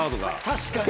・確かに。